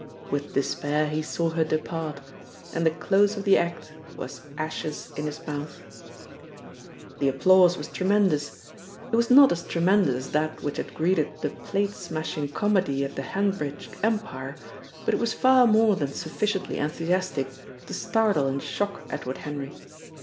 With despair he saw her depart; and the close of the act was ashes in his mouth. The applause was tremendous. It was not as tremendous as that which had greeted the plate smashing comedy at the Hanbridge Empire, but it was far more than sufficiently enthusiastic to startle and shock Edward Henry.